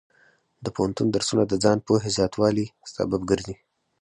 د پوهنتون درسونه د ځان پوهې زیاتوالي سبب ګرځي.